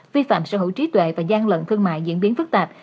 vi phạm sở hữu trí tuệ và gian lận thương mại diễn biến phức tạp